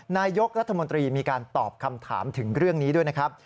นายกรัฐมนตรีมีการตอบคำถามถึงเรื่องนี้ด้วยนะครับ